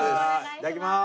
いただきまーす。